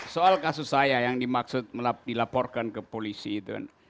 maksud saya yang dimaksud dilaporkan ke polisi itu kan